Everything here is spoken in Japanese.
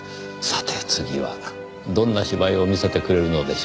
さて次はどんな芝居を見せてくれるのでしょうねぇ。